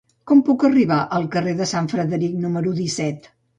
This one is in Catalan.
Com puc arribar al carrer de Sant Frederic número disset?